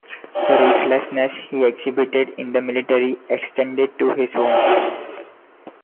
The ruthlessness he exhibited in the military extended to his home.